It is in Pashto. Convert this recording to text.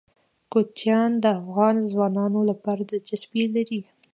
کوچیان د افغان ځوانانو لپاره دلچسپي لري.